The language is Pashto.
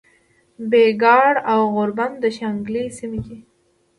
بګیاړ او غوربند د شانګلې سیمې دي